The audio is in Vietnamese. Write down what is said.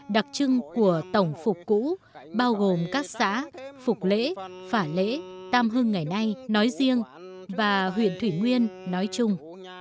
đặc trưng của tổng phục cũ bao gồm các xã phục lễ phả lễ tam hương ngày nay nói riêng và huyện thủy nguyên nói chung